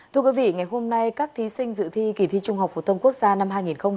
thưa quý vị ngày hôm nay các thí sinh dự thi kỳ thi trung học phổ thông quốc gia năm hai nghìn một mươi chín